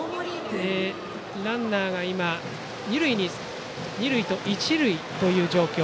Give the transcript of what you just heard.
ランナーが今二塁と一塁という状況。